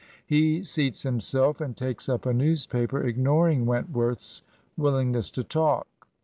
He seats himself, and takes up a newspaper, ignoring Wentworth's will ingness to talk.